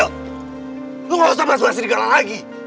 lo gak usah bahas bahas serigala lagi